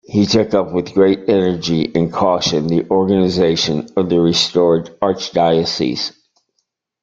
He took up with great energy and caution the organization of the restored archdiocese.